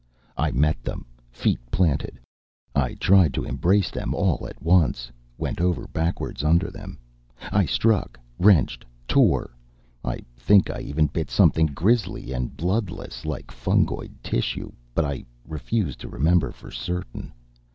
I met them, feet planted. I tried to embrace them all at once, went over backward under them. I struck, wrenched, tore. I think I even bit something grisly and bloodless, like fungoid tissue, but I refuse to remember for certain.